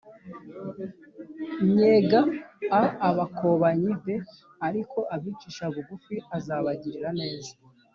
nnyega a abakobanyi b ariko abicisha bugu azabagirira neza